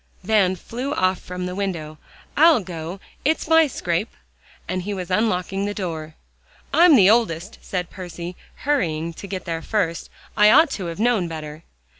Van flew off from the window. "I'll go; it's my scrape," and he was unlocking the door. "I'm the oldest," said Percy, hurrying to get there first. "I ought to have known better."